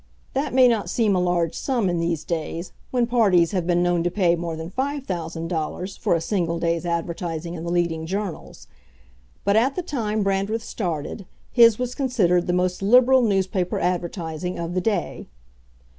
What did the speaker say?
That may not seem a large sum in these days, when parties have been known to pay more than five thousand dollar for a single day's advertising in the leading journals; but, at the time Brandreth started, his was considered the most liberal newspaper advertising of the day.